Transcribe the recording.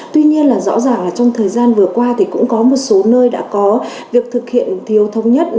tuy nhiên là rõ ràng là trong thời gian vừa qua thì cũng có một số nơi đã có việc thực hiện thiếu thống nhất